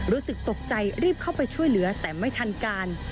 รู้สึกตกใจรีบเข้าไปช่วยเหลือแต่ไม่ทันการ